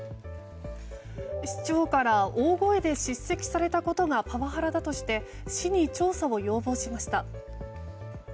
市長から大声で叱責されたことがパワハラだとして市に調査を要望しました。